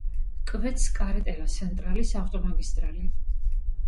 კვეთს კარეტერა-სენტრალის ავტომაგისტრალი.